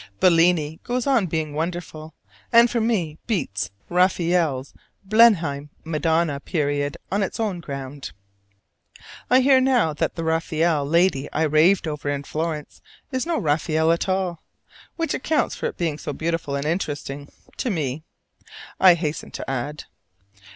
Bellini goes on being wonderful, and for me beats Raphael's Blenheim Madonna period on its own ground. I hear now that the Raphael lady I raved over in Florence is no Raphael at all, which accounts for it being so beautiful and interesting to me, I hasten to add.